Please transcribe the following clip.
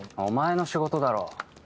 お前の仕事だろ。